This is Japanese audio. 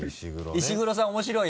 石黒さん面白い？